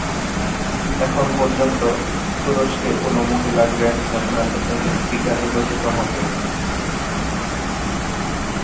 এখন পর্যন্ত, তুরস্কে কোনো মহিলা গ্র্যান্ড ন্যাশনাল অ্যাসেম্বলি স্পিকার নির্বাচিত হন নি।